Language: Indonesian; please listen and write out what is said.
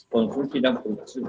konsumsi dan kekuncian